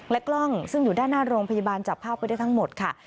กล้องซึ่งอยู่ด้านหน้าโรงพยาบาลจับภาพไว้ได้ทั้งหมดค่ะ